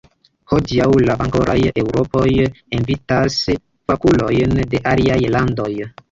Hodiaŭ la bonkoraj eŭropanoj invitas fakulojn de aliaj landoj.